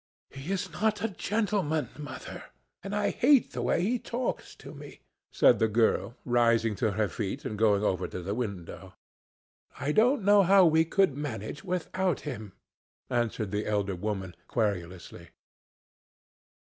"He is not a gentleman, Mother, and I hate the way he talks to me," said the girl, rising to her feet and going over to the window. "I don't know how we could manage without him," answered the elder woman querulously.